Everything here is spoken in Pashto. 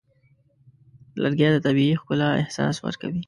لرګی د طبیعي ښکلا احساس ورکوي.